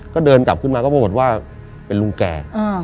ก็เดินกลับขึ้นมาก็ปรากฏว่าเป็นลุงแก่